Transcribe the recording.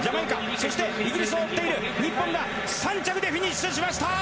そして、イギリスを追っている日本が３着でフィニッシュしました。